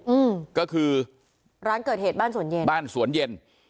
อืมก็คือร้านเกิดเหตุบ้านสวนเย็นบ้านสวนเย็น